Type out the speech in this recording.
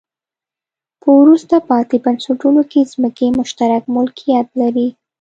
په وروسته پاتې بنسټونو کې ځمکې مشترک ملکیت لري.